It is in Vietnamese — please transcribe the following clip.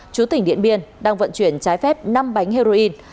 chú tỉnh điện biên đang vận chuyển trái phép năm bánh heroin